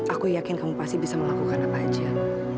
aku yakin kamu pasti bisa melakukan apa aja